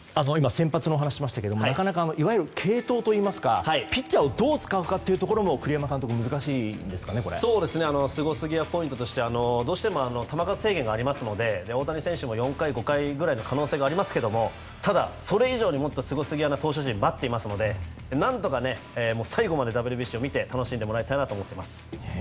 先発のお話をしましたが継投といいますかピッチャーをどう使うかというところもスゴすぎやポイントとしてどうしても球数制限がありますので大谷選手も４回、５回の可能性がありますがただ、それ以上にもっとスゴすぎやな投手陣が待っていますので何とか最後までＷＢＣを見て楽しんでもらいたいなと思っています。